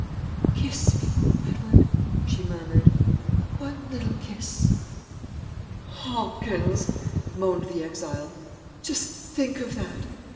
"'Kiss me, Edward,' she murmured. 'One little kiss.' "Hopkins," moaned the exile, "just think of that!